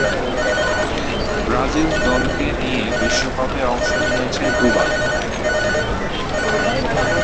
Brazil দলকে নিয়ে বিশ্বকাপে অংশ নিয়েছেন দু'বার।